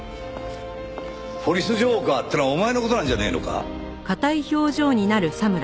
「ポリス浄化ぁ」ってのはお前の事なんじゃねえのか？